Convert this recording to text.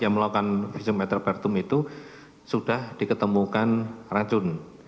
yang melakukan fisiometripertum itu sudah diketemukan racun